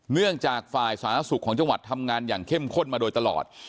เนื่องจากฝ่ายสาธารณสุขของจังหวัดทำงานอย่างเข้มข้นมาโดยตลอด